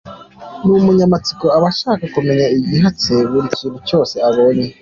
Ni umunyamatsiko aba ashaka kumenya igihatse buri kintu cyose abonye.